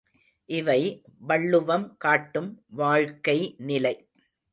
இவை வள்ளுவம் காட்டும் வாழ்க்கை நிலை.